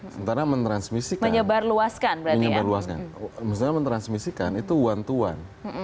sementara menyebarluaskan itu one to one